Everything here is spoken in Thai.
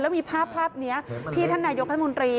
แล้วมีภาพนี้ที่ท่านนายกท่านมนตรี